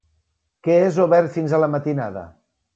Què és Obert fins a la matinada?